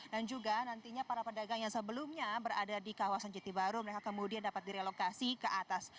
dan juga nantinya para pedagang yang sebelumnya berada di kawasan jatibaru mereka kemudian dapat direlokasi ke atas